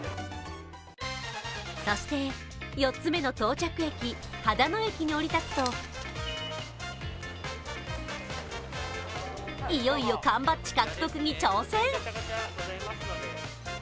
そして、４つ目の到着駅、秦野駅に降り立つといよいよ缶バッジ獲得に挑戦。